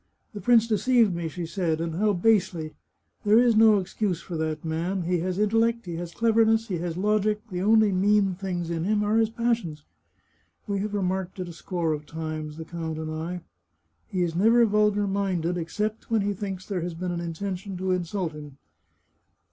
" The prince deceived me," she said, " and how basely! ... There is no excuse for that man. He has in tellect, he has cleverness, he has logic ; the only mean things in him are his passions. We have remarked it a score of times, the count and I. He is never vulgar minded, ex cept when he thinks there has been an intention to insult him.